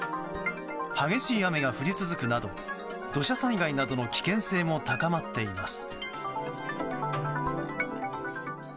激しい雨が降り続くなど土砂災害などの危険性も高まっています。